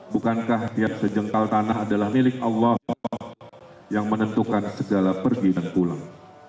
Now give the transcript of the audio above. bukankah tiap sejengkal tanah adalah milik allah yang menentukan segala pergi dan pulang